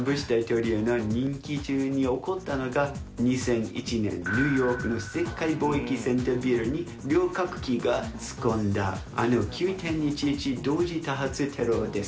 ブッシュ大統領の任期中に起こったのが２００１年、ニューヨークのせかいぼうえきセンタービルに旅客機が突っ込んだあの９・１１同時多発テロです。